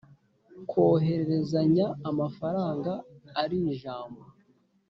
Kwohererezanya amafaranga iri jambo